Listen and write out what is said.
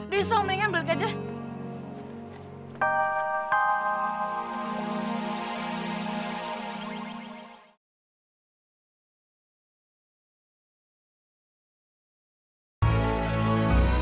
duh yusof mendingan balik aja